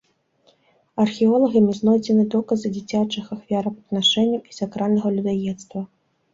Археолагамі знойдзены доказы дзіцячых ахвярапрынашэнняў і сакральнага людаедства.